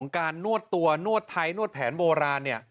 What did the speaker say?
ของการนวดตัวนวดไทยนวดแผนโบราณ